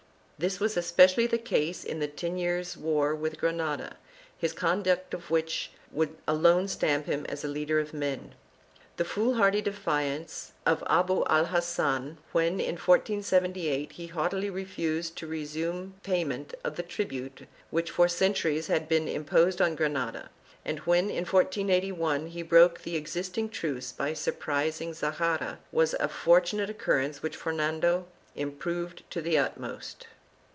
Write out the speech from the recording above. This was especially the case in the ten years' war with Granada, his conduct of which would alone stamp him as a leader of men. The fool hardy defiance of Abu 1 Ha^an when, in 1478, he haughtily refused to resume payment of the tribute which for centuries had been imposed on Granada, and when, in 1481, he broke the existing truce by surprising Zahara, was a for tunate occurrence which Ferdinand improved to the utmost..